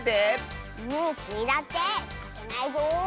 スイだってまけないぞ！